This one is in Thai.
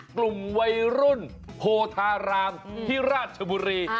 กลุ่มวัยรุ่นโพธารามที่ราชบุรี